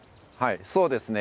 そうですね。